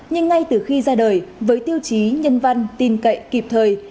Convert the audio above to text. nhưng ngay từ khi ra đời với tiêu chí nhân văn tin cậy kịp thời